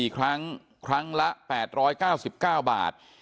๔ครั้งครั้งละ๘๙๙บาท